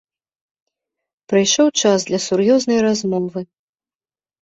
Прыйшоў час для сур'ёзнай размовы.